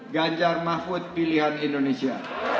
ganjar mahfud pilihan indonesia